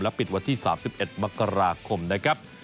ปิดวันที่๓๑มกราคมนะครับ